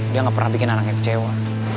dia gak pernah bikin anaknya kecewa